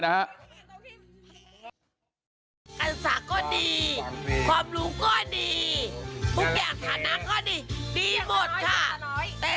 ดูท่าทางฝ่ายภรรยาหลวงประธานบริษัทจะมีความสุขที่สุดเลยนะเนี่ย